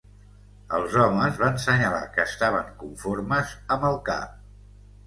Els homes van senyalar que estaven conformes amb el cap